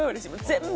全部。